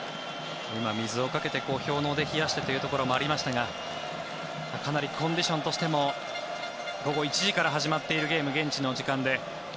今、水をかけて氷のうで冷やしてというところもありましたがかなりコンディションとしても午後１時から始まっているゲーム現地の時間で。